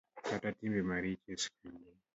Kata timbe maricho e sikunde